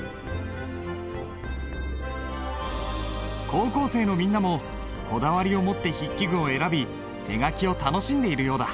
高校生のみんなもこだわりを持って筆記具を選び手書きを楽しんでいるようだ。